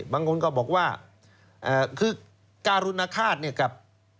บางคนก็บอกว่าการลุณาฆาตกับ